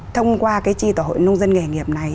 thông qua cái tri tổ hội nông dân nghề nghiệp này